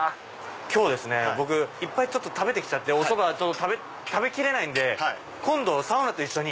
今日いっぱい食べて来ちゃっておそば食べ切れないんで今度サウナと一緒に。